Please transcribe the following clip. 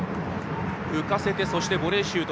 浮かせてボレーシュート。